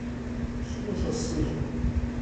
Cnut-as s lfen!